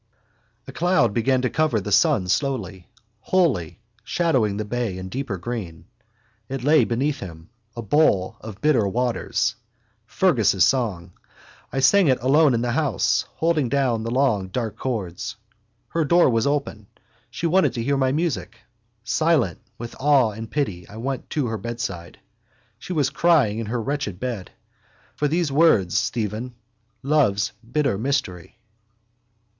A cloud began to cover the sun slowly, wholly, shadowing the bay in deeper green. It lay beneath him, a bowl of bitter waters. Fergus' song: I sang it alone in the house, holding down the long dark chords. Her door was open: she wanted to hear my music. Silent with awe and pity I went to her bedside. She was crying in her wretched bed. For those words, Stephen: love's bitter mystery.